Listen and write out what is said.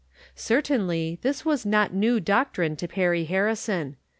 " Certainly, this was not new doctrine to Perry Harrison.